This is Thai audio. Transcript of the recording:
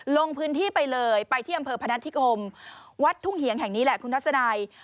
ลงพื้นที่ไปเลยไปที่อำเภอพนัฐิกรมวัดทุ่งเหียงแห่งนี้แหละคุณทัศนัย